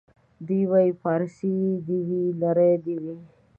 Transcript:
دی وايي پارسۍ دي وي نرۍ دي وي